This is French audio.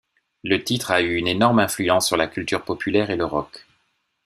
Le titre a eu une énorme influence sur la culture populaire et le rock.